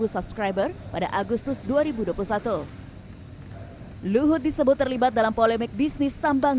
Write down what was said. dua ratus enam belas subscriber pada agustus dua ribu dua puluh satu luhut disebut terlibat dalam polemik bisnis tambang